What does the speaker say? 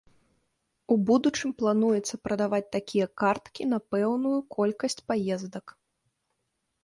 У будучым плануецца прадаваць такія карткі на пэўную колькасць паездак.